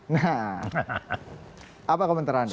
nah apa komentar anda